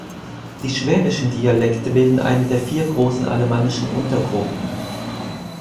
Die schwäbischen Dialekte bilden eine der vier großen alemannischen Untergruppen.